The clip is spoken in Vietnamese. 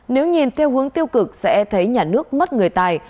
nếu nhìn theo hướng tiêu cực sẽ thấy nhà nước mất người tài